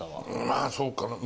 まあそうかな。